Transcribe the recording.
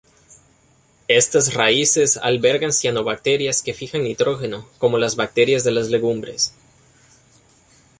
Estas raíces albergan cianobacterias que fijan nitrógeno, como las bacterias de las legumbres.